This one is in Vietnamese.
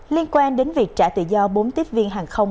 liên quan đến việc trả tự do bốn tiếp viên hàng không